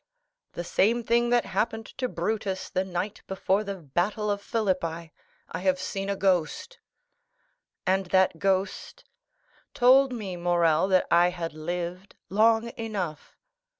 "The same thing that happened to Brutus the night before the battle of Philippi; I have seen a ghost." "And that ghost——" "Told me, Morrel, that I had lived long enough."